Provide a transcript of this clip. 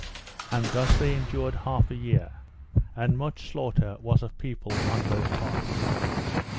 So thus they endured half a year, and much slaughter was of people on both parties.